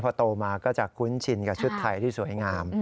พอโตมาก็จะคุ้นชินกับชุดไทยที่สวยงาม